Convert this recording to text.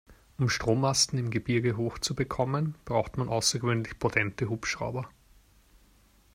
Um Strommasten im Gebirge hoch zu bekommen, braucht man außergewöhnlich potente Hubschrauber.